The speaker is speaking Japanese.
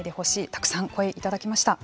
たくさん声いただきました。